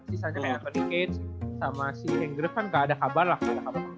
sisanya kayak penny cage sama si henggriff kan gak ada kabar lah gak ada kabar sama sekali gitu